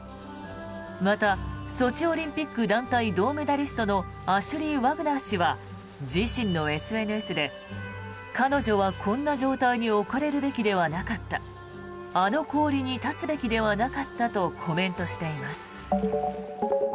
またソチオリンピック団体銅メダリストのアシュリー・ワグナー氏は自身のＳＮＳで彼女はこんな状態に置かれるべきではなかったあの氷に立つべきではなかったとコメントしています。